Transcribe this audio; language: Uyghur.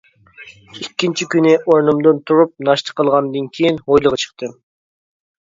ئىككىنچى كۈنى، ئورنۇمدىن تۇرۇپ، ناشتا قىلغاندىن كېيىن، ھويلىغا چىقتىم.